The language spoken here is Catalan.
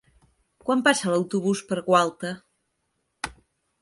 Quan passa l'autobús per Gualta?